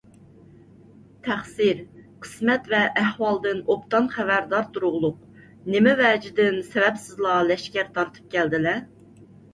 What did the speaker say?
تەقسىر، قىسمەت ۋە ئەھۋالدىن ئوبدان خەۋەردار تۇرۇقلۇق، نېمە ۋەجىدىن سەۋەبسىزلا لەشكەر تارتىپ كەلدىلە؟